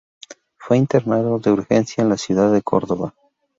Fue internado de urgencia en la ciudad de Córdoba.